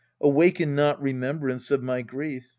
Awaken not remembrance of my grief.